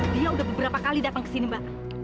dia udah beberapa kali datang ke sini mbak